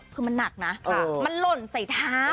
คือมันหนักนะมันหล่นใส่เท้า